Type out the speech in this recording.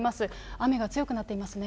雨が強くなっていますね。